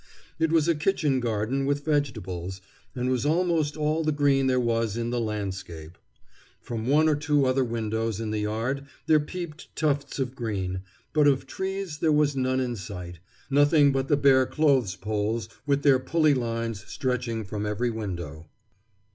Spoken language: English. It was a kitchen garden with vegetables, and was almost all the green there was in the landscape. From one or two other windows in the yard there peeped tufts of green; but of trees there was none in sight nothing but the bare clothes poles with their pulley lines stretching from every window.